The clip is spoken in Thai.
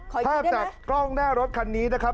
ภาพจากกล้องหน้ารถคันนี้นะครับ